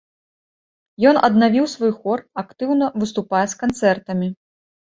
Ён аднавіў свой хор, актыўна выступае з канцэртамі.